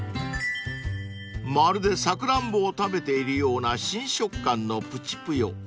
［まるでサクランボを食べているような新食感の］